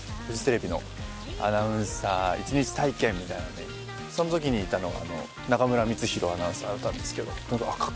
フジテレビのアナウンサー一日体験みたいなのでそのときにいたのが中村光宏アナウンサーだったんですけどうわ